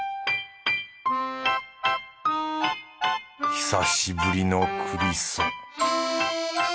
久しぶりのクリソ。